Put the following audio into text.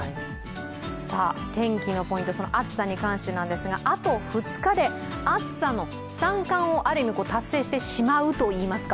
天気のポイント、暑さに関して何ですが、あと２日で暑さの三冠をある意味達成してしまうと。